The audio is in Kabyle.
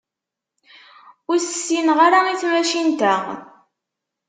Ur as-ssineɣ ara i tmacint-a.